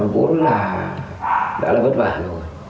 vốn là đã là vất vả rồi